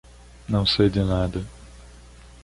Não sei de nada.